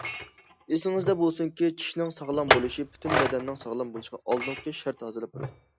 ئېسىڭىزدە بولسۇنكى، چىشنىڭ ساغلام بولۇشى پۈتۈن بەدەننىڭ ساغلام بولۇشىغا ئالدىنقى شەرت ھازىرلاپ بېرىدۇ.